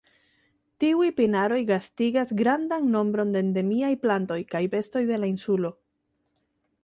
Tiuj pinaroj gastigas grandan nombron de endemiaj plantoj kaj bestoj de la insulo.